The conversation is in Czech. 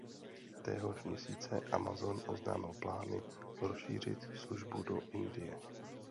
Téhož měsíce Amazon oznámil plány rozšířit službu do Indie.